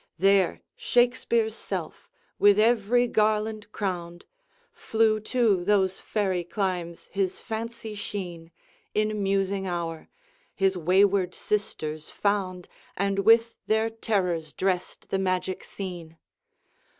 There Shakespeare's self, with every garland crowned, [Flew to those fairy climes his fancy sheen!] In musing hour, his wayward Sisters found, And with their terrors dressed the magic scene.